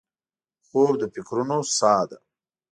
خوب د فکرونو سا ده